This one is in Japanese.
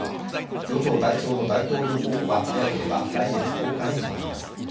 与党代表の大統領候補は早ければ来月１０日に決まります。